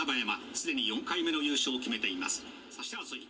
既に４回目の優勝を決めています」。